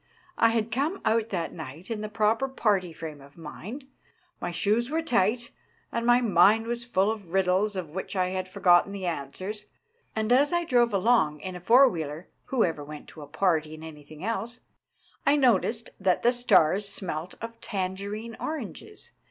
I had come out that night in the proper party frame of mind. My shoes were tight and my mind was full of riddles of which I had forgotten the answers, and as I drove along in a four wheeler who ever went to a party 240 THE DAY BEFOKE YESTERDAY in anything else? I noticed that the stars smelt of tangerine oranges.